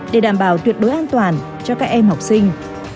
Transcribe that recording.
để đảm bảo tuyệt đối an toàn cho các em học sinh